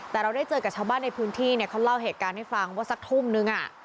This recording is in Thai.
แต่เราได้เจอกับชาวบ้านในพื้นที่เนี่ยเขาเล่าเหตุการณ์ให้ฟังว่าสักทุ่มนึง